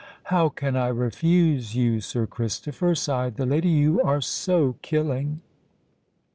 "How can I refuse you, Sir Christopher?" sighed the lady. "You are so killing!"